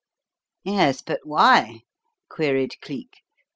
"Yes, but why?" queried Cleek.